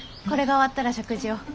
これが終わったら食事を。